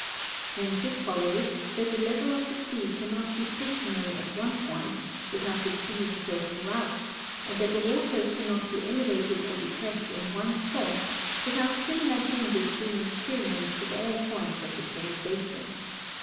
Hence it follows that the level of the sea cannot be stationary at one point, without its being so throughout, and that the waters cannot be elevated or depressed in one spot, without similar changes being experienced at all points of the same basin.